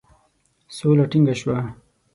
سوله ټینګه سوه.